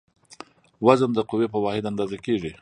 وزن د قوې په واحد اندازه کېږي.